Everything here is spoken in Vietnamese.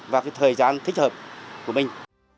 và cái thời gian thích hợp của mình